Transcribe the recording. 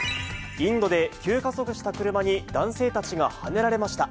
インドで急加速した車に、男性たちがはねられました。